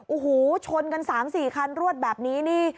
โอ้โหชนกัน๓๔คันรวดแบบนี้นี่